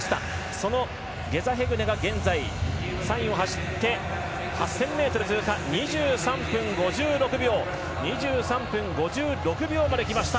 そのゲザヘグネが現在３位を走って８０００ｍの通過は２３分５６秒まで来ました！